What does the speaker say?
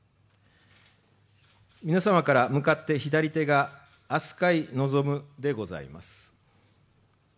皆様から向かって左手が飛鳥井望でございます。